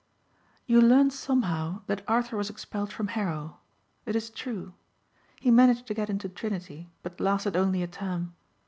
"You learned somehow that Arthur was expelled from Harrow. It is true. He managed to get into Trinity but lasted only a term.